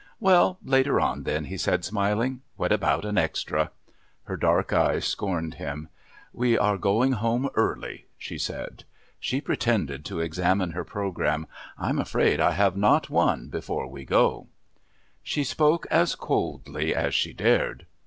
"Well, later on then," he said, smiling. "What about an extra?" Her dark eyes scorned him. "We are going home early," she said. She pretended to examine her programme. "I'm afraid I have not one before we go." She spoke as coldly as she dared.